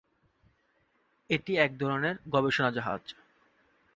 এটি এক ধরনের গবেষণা জাহাজ।